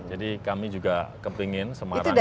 jadi kami juga kepingin semarang